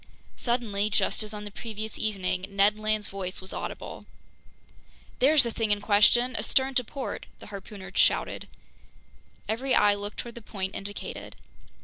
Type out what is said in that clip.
Suddenly, just as on the previous evening, Ned Land's voice was audible. "There's the thing in question, astern to port!" the harpooner shouted. Every eye looked toward the point indicated.